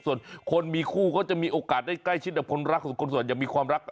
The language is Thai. ส่วนคนมีคู่ก็จะมีโอกาสได้ใกล้ชิดกับคนรักส่วนคนส่วนอย่างมีความรัก